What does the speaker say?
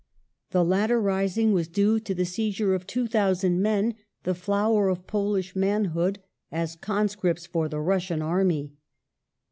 The latter rising was due to the seizure of 2,000 men — the flower of Polish manhood — as conscripts for the Russian army.